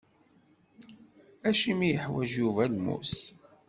Acimi i yeḥwaǧ Yuba lmus?